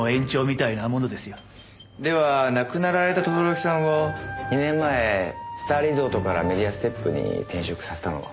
では亡くなられた轟さんを２年前スターリゾートからメディアステップに転職させたのは。